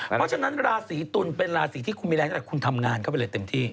เพราะฉะนั้นราศีตุลเป็นราศีที่คุณมีแรงตั้งแต่คุณทำงานเข้าไปเลยเต็มที่